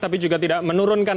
tapi juga tidak menurunkan